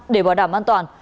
để bảo đảm an toàn